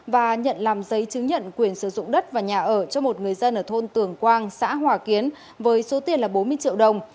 và nhận làm giấy chứng nhận quyền sử dụng đất và nhà ở cho một người dân ở thôn tường quang xã hòa kiến với số tiền là bốn mươi triệu đồng